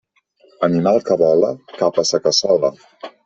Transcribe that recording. Animal que vola cap a sa cassola!